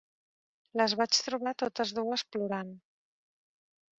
Les vaig trobar totes dues plorant.